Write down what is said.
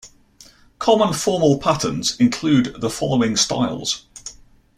Common formal patterns include the following styles.